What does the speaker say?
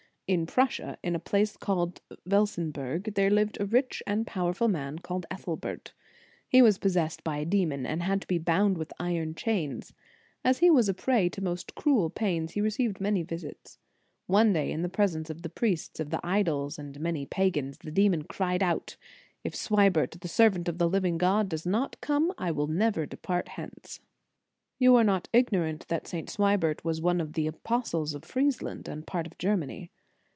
In Prussia, in a place called Velsenberg, there lived a rich and pow erful man called Ethelbert. He was pos sessed by a demon, and had to be bound with iron chains. As he was a prey to most cruel pains, he received many visits. One day, in presence of the priests of the idols and many pagans, the demon cried out: "If Svvibert, the servant of the living God, does not come, I will never depart hence." * Dialog., lib. iii., c. 6. 214 The Sign of the Cross You are not ignorant that St. Swibert was one of the apostles of Friesland and part of Germany.